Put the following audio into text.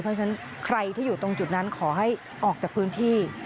เพราะฉะนั้นใครที่อยู่ตรงจุดนั้นขอให้ออกจากพื้นที่